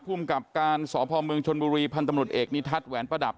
ภูมิกับการสพเมืองชนบุรีพันธุ์ตำรวจเอกนิทัศน์แหวนประดับ